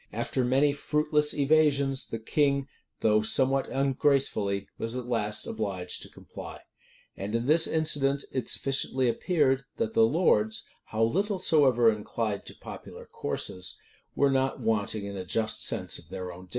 After many fruitless evasions, the king, though somewhat ungracefully, was at last obliged to comply.[] And in this incident it sufficiently appeared, that the lords, how little soever inclined to popular courses, were not wanting in a just sense of their own dignity.